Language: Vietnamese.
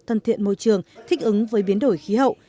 thân thiện môi trường thích ứng với biến đổi khí hậu